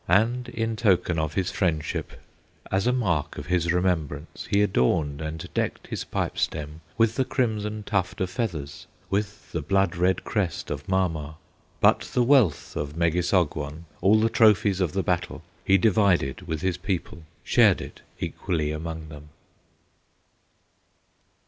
And in token of his friendship, As a mark of his remembrance, He adorned and decked his pipe stem With the crimson tuft of feathers, With the blood red crest of Mama. But the wealth of Megissogwon, All the trophies of the battle, He divided with his people, Shared it equally among them.